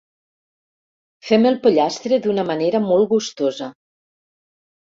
Fem el pollastre d'una manera molt gustosa.